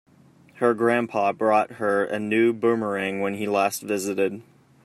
Her grandpa bought her a new boomerang when he last visited.